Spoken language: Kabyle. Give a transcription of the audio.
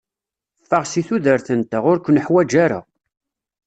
Ffeɣ si tudert-nteɣ, ur k-nuḥwaǧ ara.